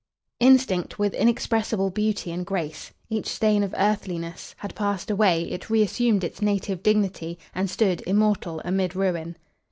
"Instinct with inexpressible beauty and grace, Each stain of earthliness Had passed away, it reassumed Its native dignity, and stood Immortal amid ruin."